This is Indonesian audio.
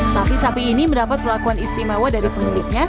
sapi sapi ini menempatkan di rumah kami